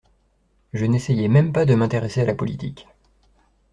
Je n'essayai même pas de m'intéresser à la politique.